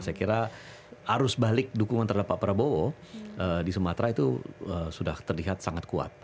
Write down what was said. saya kira arus balik dukungan terhadap pak prabowo di sumatera itu sudah terlihat sangat kuat